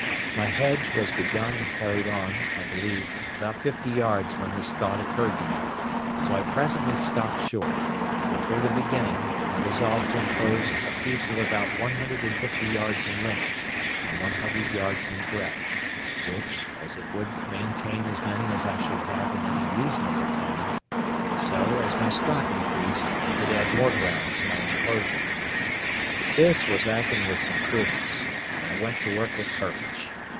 My hedge was begun and carried on, I believe, about fifty yards when this thought occurred to me; so I presently stopped short, and, for the beginning, I resolved to enclose a piece of about one hundred and fifty yards in length, and one hundred yards in breadth, which, as it would maintain as many as I should have in any reasonable time, so, as my stock increased, I could add more ground to my enclosure. This was acting with some prudence, and I went to work with courage.